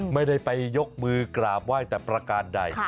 ไม่ได้ไปยกมือกราบไหว้แต่ประการใด